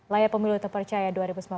layar pemilu terpercaya dua ribu sembilan belas